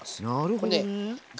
これねガ